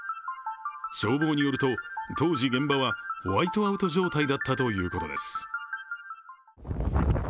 消防によると、当時現場はホワイトアウト状態だったということです。